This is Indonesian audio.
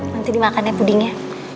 nanti dimakan ya pudingnya